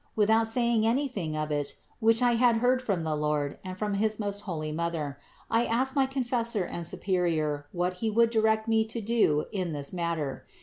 Without saying anything of that, which I had heard from the Lord and from his most holy Mother, I asked my confessor and superior what he would direct me to do in this matter.